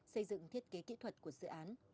xây dựng thiết kế kỹ thuật của dự án